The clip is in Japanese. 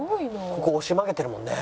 ここ押し曲げてるもんね。